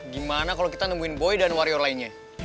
gimana kalo kita nemuin boy dan warior lainnya